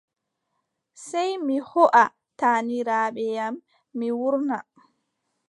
Sey mi hooʼa taaniraaɓe am, mi wuurna.